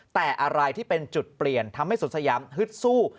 แต่อะไรที่เป็นจุดเปลี่ยนทำให้สุดสยามฮึดสู้